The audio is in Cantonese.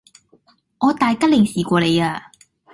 我大吉利是過你呀!